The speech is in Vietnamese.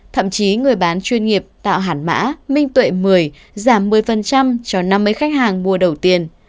thậm chí người bán chuyên nghiệp tạo hẳn mã minh tuệ một mươi giảm một mươi cho năm mươi khách hàng mua đầu tiên